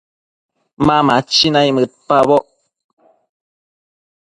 Ma machi naimëdpaboc